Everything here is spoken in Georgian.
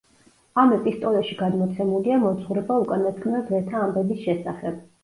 ამ ეპისტოლეში გადმოცემულია მოძღვრება უკანასკნელ დღეთა ამბების შესახებ.